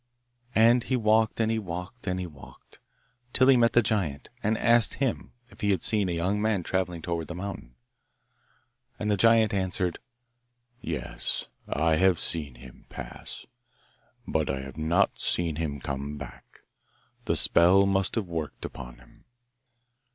And he walked, and he walked, and he walked, till he met the giant, and asked him if he had seen a young man travelling towards the mountain. And the giant answered, 'Yes, I have seen him pass, but I have not seen him come back. The spell must have worked upon him.